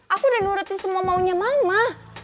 aku udah nurutin semua maunya mama